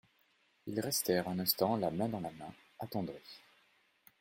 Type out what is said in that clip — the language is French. Ils restèrent un instant la main dans la main, attendris.